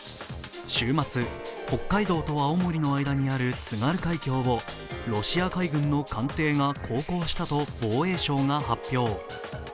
週末、北海道と青森の間にある津軽海峡をロシア海軍の艦艇が航行したと防衛省が発表。